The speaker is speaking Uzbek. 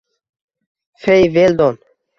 Fey Veldon